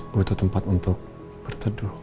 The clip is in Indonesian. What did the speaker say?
butuh tempat untuk berteduh